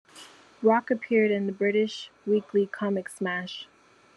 Rock appeared in the British weekly comic Smash!